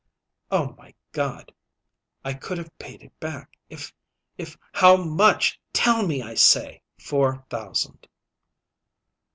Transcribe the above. "Oh, my God! I could have paid it back if if " "How much? Tell me, I say!" "Four thousand!"